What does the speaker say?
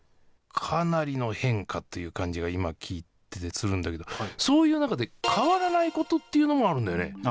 かなりの変化という感じが今、聞いててするんだけど、そういう中で変わらないことっていうのもあるんだよね？